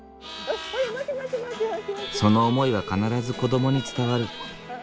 その思いは必ず子どもに伝わる。